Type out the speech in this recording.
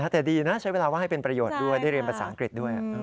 แต่ดีนะใช้เวลาว่างให้เป็นประโยชน์ด้วยได้เรียนภาษาอังกฤษด้วย